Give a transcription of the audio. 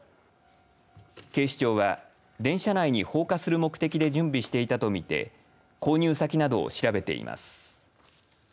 警視庁は電車内に放火する目的で準備していたとみて購入先などを調べています。